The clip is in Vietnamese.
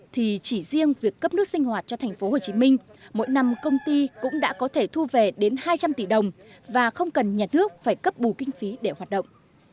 thì chỉ riêng việc cấp nước sinh hoạt cho tp hcm mỗi năm công ty cũng đã có thể thu về đến hai trăm linh tỷ đồng và không cần nhà nước phải cấp bù kinh phí để hoạt động